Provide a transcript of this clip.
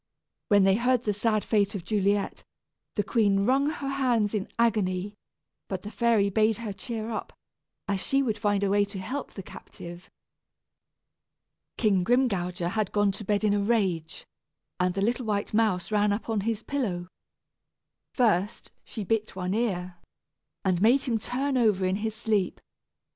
When they heard the sad fate of Juliet, the queen wrung her hands in agony; but the fairy bade her cheer up, as she would find a way to help the captive. King Grimgouger had gone to bed in a rage, and the little white mouse ran up on his pillow. First she bit one ear, and made him turn over in his sleep.